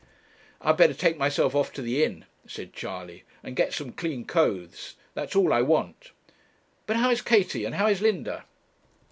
'I'd better take myself off to the inn,' said Charley, 'and get some clean clothes; that's all I want. But how is Katie and how is Linda?'